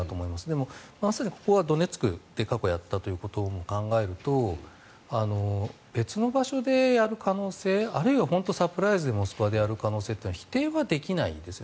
でも、まさにここはドネツクで過去やったことも考えると別の場所でやる可能性あるいは本当にサプライズでモスクワでやる可能性は否定はできないです。